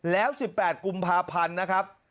แล้ว๑๘กุมภาพันธ์นะครับ